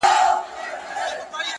• په تهمتونو کي بلا غمونو؛